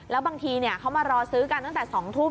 แล้วบางทีเขามารอซื้อกันตั้งแต่๒ทุ่ม